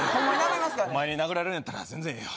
お前に殴られるんやったら全然ええよ